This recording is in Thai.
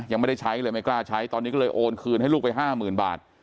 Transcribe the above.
ยังไม่ได้ใช้เลยไม่กล้าใช้ตอนนี้ก็เลยโอนคืนให้ลูกไปห้าหมื่นบาท